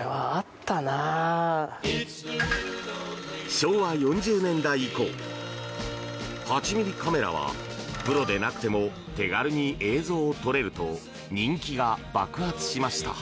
昭和４０年代以降８ｍｍカメラはプロでなくても手軽に映像を撮れると人気が爆発しました。